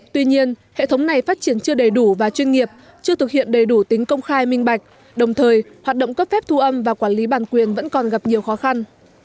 tuy nhiên hệ thống này phát triển chưa đầy đủ và chuyên nghiệp chưa thực hiện đầy đủ tính công khai minh bạch đồng thời hoạt động cấp phép thu âm và quản lý bản quyền vẫn còn gặp nhiều khó khăn